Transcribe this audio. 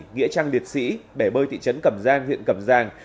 nghĩa trang liệt sĩ bể bơi thị trấn cẩm giang huyện cầm giang